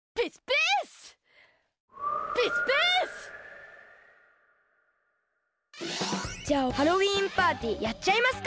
ピースピース！じゃあハロウィーンパーティーやっちゃいますか！